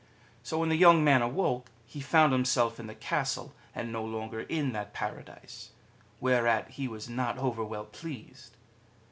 So when the young man awoke, he found himself in the Castle, and no lonofer in that Paradise ; whereat he was not over well pleased.